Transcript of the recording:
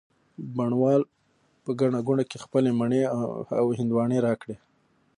بڼ وال په ګڼه ګوڼه کي خپلې مڼې او هندواڼې را کړې